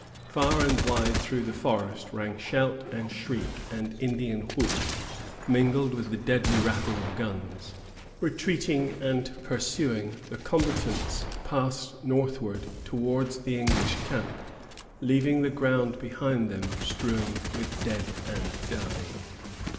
Far and wide through the forest rang shout and shriek and Indian whoop, mingled with the deadly rattle of guns. Retreating and pursuing, the combatants passed northward towards the English camp, leaving the ground behind them strewn with dead and dying.